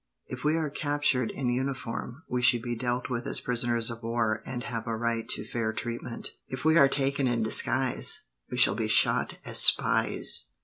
If we are captured in uniform, we should be dealt with as prisoners of war and have a right to fair treatment. If we are taken in disguise, we shall be shot as spies."